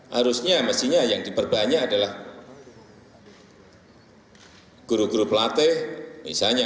harusnya mestinya yang diperbanyak adalah guru guru pelatih misalnya